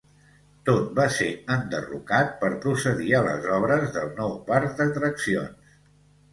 Tot va ser enderrocat per procedir a les obres del nou parc d'atraccions.